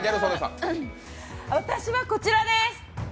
私はこちらです。